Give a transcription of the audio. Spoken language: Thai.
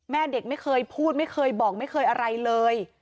แม่เด็กไม่เคยพูดไม่เคยบอกไม่เคยอะไรเลย